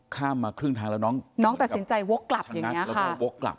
ข้ามมาครึ่งทางแล้วน้องน้องตัดสินใจโว๊คกลับอย่างนี้ค่ะ